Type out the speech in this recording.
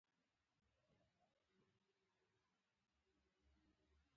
د تمرکز له اصله ګټه اخيستل اړين دي.